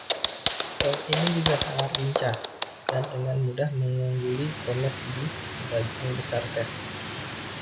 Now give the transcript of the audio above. Tank ini juga sangat lincah, dan dengan mudah mengungguli Comet di sebagian besar tes.